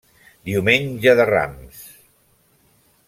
Diumenge de Rams!